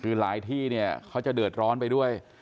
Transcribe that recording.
คือรายที่เค้าจะเดิดร้อนไปด้วย